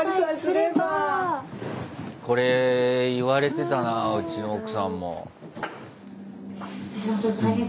これ言われてたなぁうちの奥さんも。